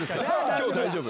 今日大丈夫。